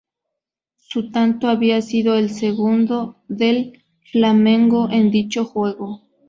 Su tanto había sido el segundo del Flamengo en dicho juego.